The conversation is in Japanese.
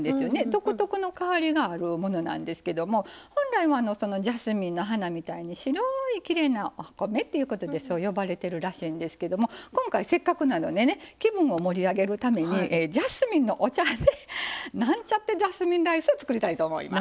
独特の香りがあるものなんですけども本来はジャスミンの花みたいに白いきれいなお米ってことでそう呼ばれてるらしいんですけど今回せっかくなのでね気分を盛り上げるためにジャスミンのお茶でなんちゃってジャスミンライスを作りたいと思います。